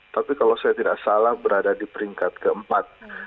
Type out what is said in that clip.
tapi kalau saya tidak salah berada di peringkat keempat